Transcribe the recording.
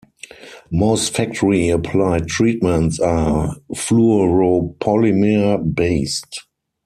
Most factory-applied treatments are fluoropolymer based.